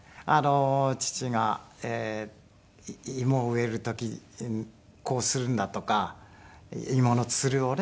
父が芋を植える時こうするんだとか芋のツルをね